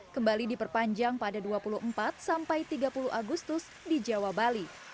kembali diperpanjang pada dua puluh empat sampai tiga puluh agustus di jawa bali